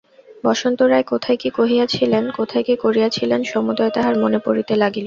বসন্ত রায় কোথায় কি কহিয়াছিলেন, কোথায় কি করিয়াছিলেন সমুদায় তাঁহার মনে পড়িতে লাগিল।